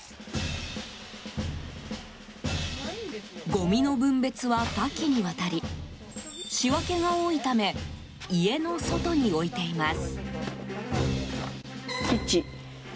ごみの分別は多岐にわたり仕分けが多いため家の外に置いています。